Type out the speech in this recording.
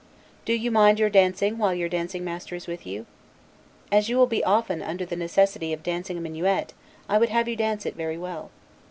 Do you mind your dancing while your dancing master is with you? As you will be often under the necessity of dancing a minuet, I would have you dance it very well.